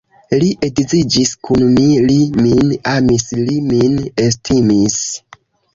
Li edziĝis kun mi, li min amis, li min estimis.